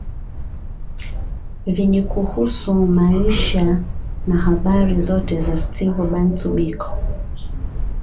Vyenye kuhusu maisha na habari zote za Steve Bantu Biko